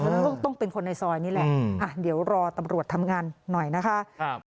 ซึ่งถ้าออกไหมจับได้ก็สามารถรุนการกับผมด้วยเลยนะครับ